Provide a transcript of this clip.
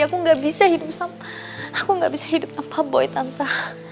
aku gak bisa hidup tanpa boy tante